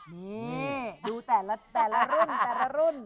นี่ดูแต่ละรุ่น